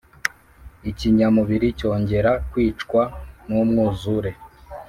ikinyamubiri cyongera kwicwa n’umwuzure.